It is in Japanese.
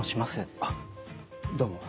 あっどうも。